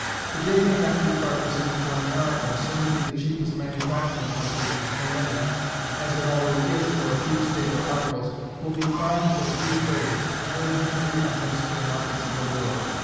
The day may be not far distant when America, soon to be the cheapest manufacturing country for many, as it already is for a few, staple articles, will be crying for free trade, and urging free entrance to the markets of the world.